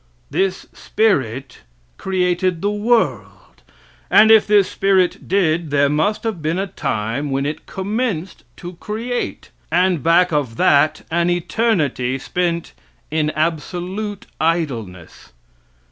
This spirit created the world; and if this spirit did, there must have been a time when it commenced to create, and back of that an eternity spent in absolute idleness.